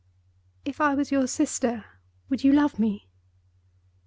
"If I was your sister, would you love me?"